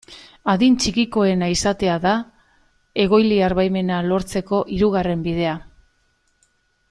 Adin txikikoena izatea da egoiliar baimena lortzeko hirugarren bidea.